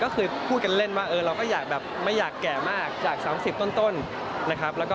ก็คือพูดกันเล่นว่าเราก็อยากแบบไม่อยากแก่มากจาก๓๐ต้นนะครับ